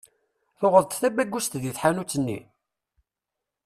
Tuɣeḍ-d tabagust deg tḥanut-nni?